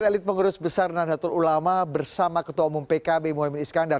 elit elit pengurus besar dan datur ulama bersama ketua umum pkb mohamed iskandar